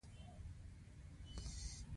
عطرونه د هرچا خوښیږي.